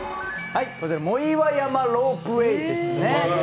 もいわ山ロープウェイですね。